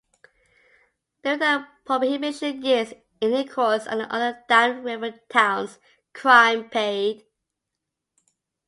During the prohibition years, in Ecorse and the other downriver towns, crime paid.